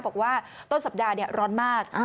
บอกว่าต้นสัปดาห์ร้อนมาก